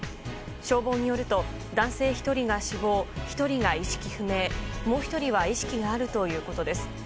消防によると男性１人が死亡１人が意識不明、もう１人は意識があるということです。